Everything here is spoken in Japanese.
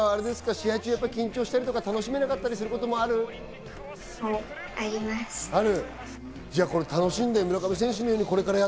試合中緊張したり楽しめなかったりすることもある？